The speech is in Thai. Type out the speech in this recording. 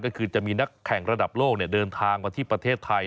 ก็คือจะมีนักแข่งระดับโลกเดินทางมาที่ประเทศไทย